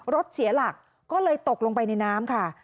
รถเสียหลักก็เลยตกลงไปในน้ำค่ะ